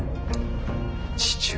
父上。